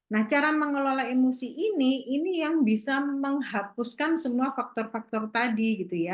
nah cara mengelola emosi ini ini yang bisa menghapuskan semua faktor faktor tadi gitu ya